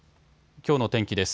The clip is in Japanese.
きょうの天気です。